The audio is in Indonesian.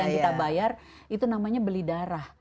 yang kita bayar itu namanya beli darah